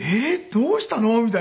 どうしたの？みたいな。